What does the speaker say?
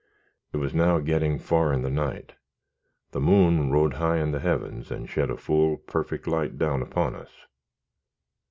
It was now getting far in the night. The moon rode high in the heavens, and shed a full, perfect light down upon us.